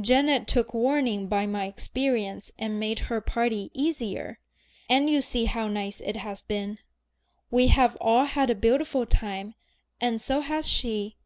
Janet took warning by my experience and made her party easier, and you see how nice it has been. We have all had a beautiful time, and so has she.